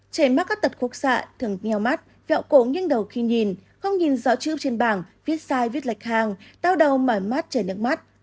trẻ mắt các tật khúc xạ thường nghèo mắt vẹo cổ nhanh đầu khi nhìn không nhìn rõ chữ trên bảng viết sai viết lệch hàng tao đầu mở mắt trẻ nước mắt